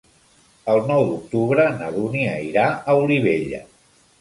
El nou d'octubre na Dúnia irà a Olivella.